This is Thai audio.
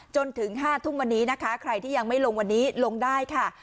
จนถึง๕ทุ่มวันนี้นะคะใครที่ยังไม่ลงวันนี้ลงได้ค่ะ